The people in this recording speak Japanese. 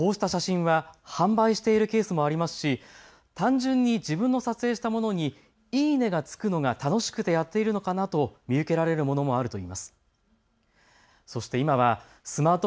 そしてこうした写真は販売しているケースもありますし、単純に自分の撮影したものにいいねがつくのが楽しくてやっているのかなと見受けられるものもあると言います。